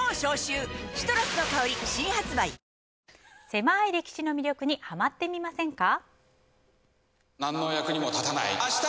せまい歴史の魅力にはまってみませんか？